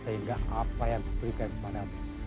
sehingga apa yang saya berikan kepada kamu